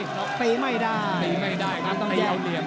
ตีไม่ได้ตีไม่ได้ก็ตีเอาเหลี่ยม